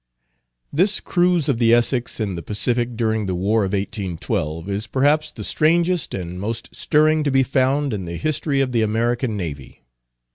This cruise of the Essex in the Pacific during the war of 1812, is, perhaps, the strangest and most stirring to be found in the history of the American navy.